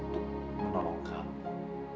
untuk menolong kamu